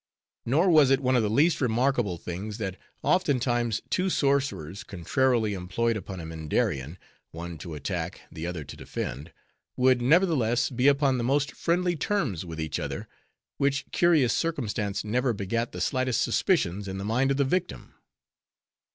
Nor was it one of the least remarkable things, that oftentimes two sorcerers, contrarily employed upon a Mindarian,—one to attack, the other to defend,—would nevertheless be upon the most friendly terms with each other; which curious circumstance never begat the slightest suspicions in the mind of the victim.